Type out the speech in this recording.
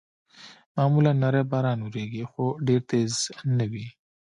معمولاً نری باران اورېږي، خو ډېر تېز نه وي.